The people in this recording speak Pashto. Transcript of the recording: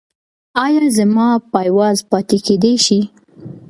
ایا زما پایواز پاتې کیدی شي؟